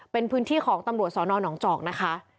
เป็นพื้นที่ของตำรวจสอนอนหนองจอกนะคะ